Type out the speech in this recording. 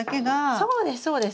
そうですそうです！